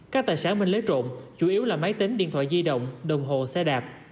các tài sản minh lấy trộm chủ yếu là máy tính điện thoại di động đồng hồ xe đạp